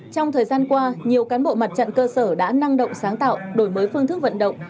trong thời gian qua nhiều cán bộ mặt trận cơ sở đã năng động sáng tạo đổi mới phương thức vận động